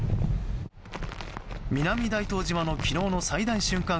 南大東島の昨日の最大瞬間